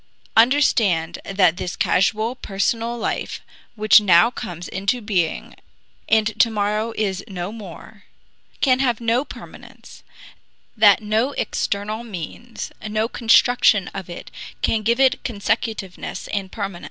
Understand that this casual, personal life which now comes into being and to morrow is no more can have no permanence, that no external means, no construction of it can give it consecutiveness and permanence.